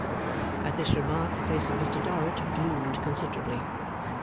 At this remark the face of Mr Dorrit gloomed considerably.